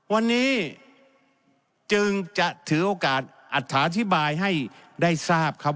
วันนี้จึงจะถือโอกาสอัฐาธิบายให้ได้ทราบครับ